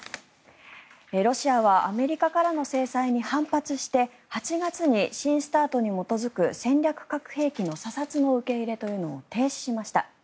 ロシアはアメリカからの制裁に反発して８月に新ＳＴＡＲＴに基づく戦略核兵器の査察の受け入れというのを停止しました。